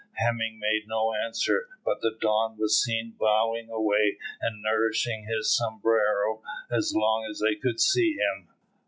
Hemming made no answer, but the Don was seen bowing away and nourishing his sombrero as long as they could see him.